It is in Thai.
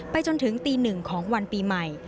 ไปจนถึงตีหนึ่งของวันปีใหม่